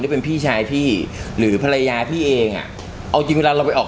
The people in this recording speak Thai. เป็นพี่ชายพี่หรือภรรยาพี่เองอ่ะเอาจริงเวลาเราไปออก